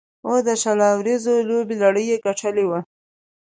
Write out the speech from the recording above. او د شل اوریزو لوبو لړۍ یې ګټلې وه.